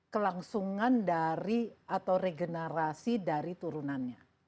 kelangsungan dari atau regenerasi dari turunannya